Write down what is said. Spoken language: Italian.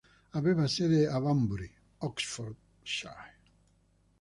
Aveva sede a Banbury, Oxfordshire.